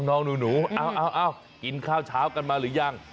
น้องหนูเอากินข้าวเช้ากันมาหรือยัง